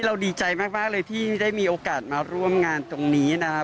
ดีใจมากเลยที่ได้มีโอกาสมาร่วมงานตรงนี้นะฮะ